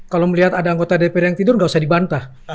kalau melihat ada anggota dpr yang tidur nggak usah dibantah